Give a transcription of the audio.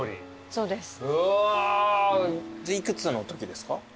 そうですね。